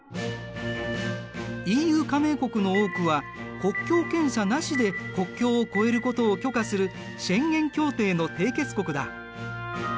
ＥＵ加盟国の多くは国境検査なしで国境を越えることを許可するシェンゲン協定の締結国だ。